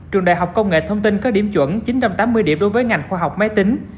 trường đại học công nghệ thông tin có điểm chuẩn chín trăm tám mươi điểm đối với ngành khoa học máy tính